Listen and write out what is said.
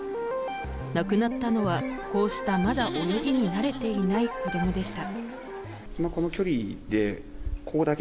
亡くなったのは、こうしたまだ泳ぎに慣れていない子供でした。